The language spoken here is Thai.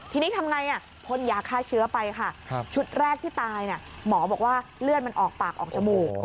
ทีนี้ทำไงพ่นยาฆ่าเชื้อไปค่ะชุดแรกที่ตายหมอบอกว่าเลือดมันออกปากออกจมูก